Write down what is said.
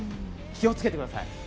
気をつけてください。